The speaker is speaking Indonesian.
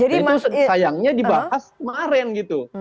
itu sayangnya dibahas kemarin gitu